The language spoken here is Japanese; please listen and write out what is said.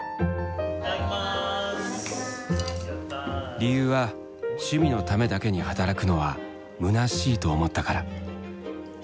理由は趣味のためだけに働くのはむなしいと思ったから。